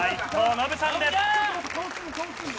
ノブさんです。